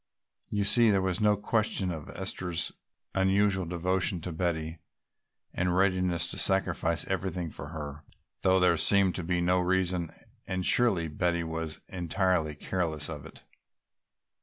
You see there was no question of Esther's unusual devotion to Betty and readiness to sacrifice everything for her, though there seemed to be no reason, and surely Betty was entirely careless of it.